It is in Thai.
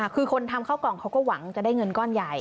คือคนทำข้าวกล่องเขาก็หวังจะได้เงินก้อนใหญ่